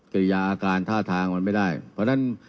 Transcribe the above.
กิริยาอาการท่าทางมันไม่ได้เพราะฉะนั้น